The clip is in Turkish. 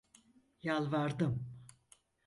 Yalvardım…